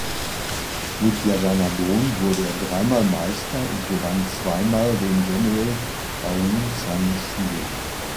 Mit Yadanarbon wurde er dreimal Meister und gewann zweimal den General Aung San Shield.